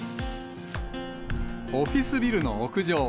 オフィスビルの屋上。